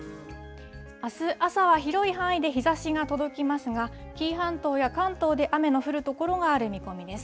あす朝は広い範囲で日ざしが届きますが、紀伊半島や関東で雨の降る所がある見込みです。